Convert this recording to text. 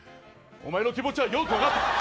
お前の気持ちは、よくわかった。